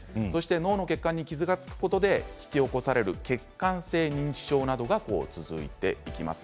頭の血管に傷がつくことで引き起こされる血管性認知症などが続いていきます。